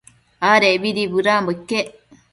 Adecbidi bëdanbo iquec